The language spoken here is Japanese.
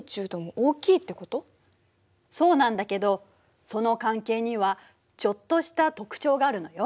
そうなんだけどその関係にはちょっとした特徴があるのよ。